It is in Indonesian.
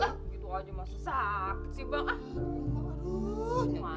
gitu aja masih sakit sih bang